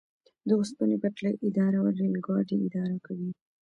د اوسپنې پټلۍ اداره ریل ګاډي اداره کوي